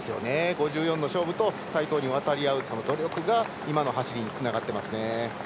５４の勝負と対等に渡り合う、その努力が今の走りにつながっていますね。